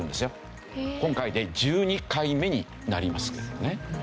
今回で１２回目になりますけどね。